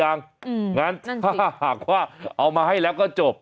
อย่างนั้นหากว่าเอามาให้แล้วก็จบ